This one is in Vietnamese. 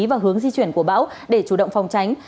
và hướng di chuyển của bão để chủ động phòng tránh